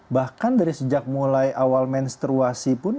bahkan dari sejak mulai awal menstruasi pun